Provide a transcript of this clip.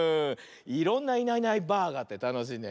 いろんな「いないいないばあ！」があってたのしいね。